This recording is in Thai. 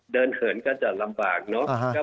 เดินเผินก็จะลำบากเนาะ